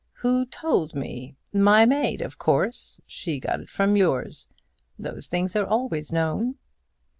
"Who told me? My maid. Of course she got it from yours. Those things are always known."